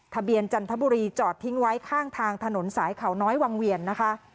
จันทบุรีจอดทิ้งไว้ข้างทางถนนสายเขาน้อยวังเวียนนะคะ